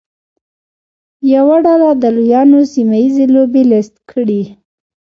یوه ډله د لویانو سیمه ییزې لوبې لیست کړي.